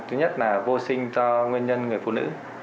thứ nhất là vô sinh cho nguyên nhân người phụ nữ